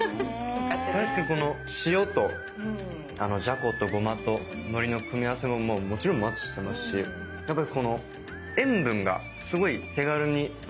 確かにこの塩とじゃことごまと海苔の組み合わせももちろんマッチしてますしやっぱりこの塩分がすごい手軽にとれるという。